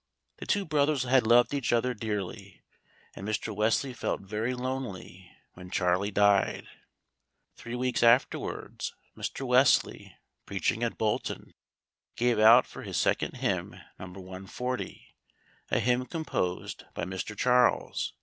The two brothers had loved each other dearly, and Mr. Wesley felt very lonely when "Charlie" died. Three weeks afterwards, Mr. Wesley, preaching at Bolton, gave out for his second hymn No. 140, a hymn composed by Mr. Charles.